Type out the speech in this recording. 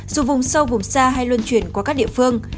dù vùng sâu vùng xa hay luân chuyển qua các địa phương